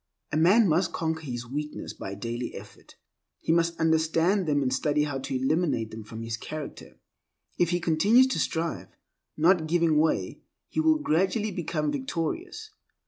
A man must conquer his weaknesses by daily effort. He must understand them and study how to eliminate them from his character. If he continues to strive, not giving way, he will gradually become victorious.